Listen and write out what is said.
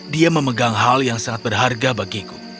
dia memegang hal yang sangat berharga bagiku